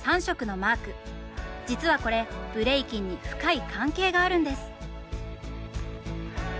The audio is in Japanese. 実はこれブレイキンに深い関係があるんです。